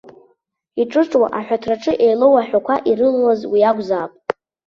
Иҿыҿуа аҳәаҭраҿы еилоу аҳәақәа ирылалаз уи акәзаап.